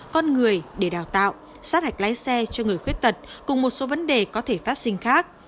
con người để đào tạo sát hạch lái xe cho người khuyết tật cùng một số vấn đề có thể phát sinh khác